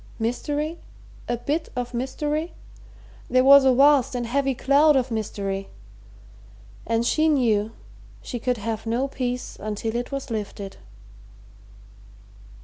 Mystery? a bit of mystery? There was a vast and heavy cloud of mystery, and she knew she could have no peace until it was lifted.